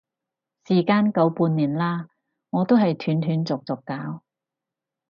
時間夠半年啦，我都係斷斷續續搞